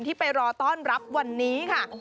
ที่ไปรอต้อนรับวันนี้ค่ะ